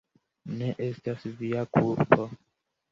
Ne estas via kulpo.